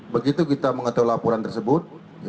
begitu kita mengetahui laporan tersebut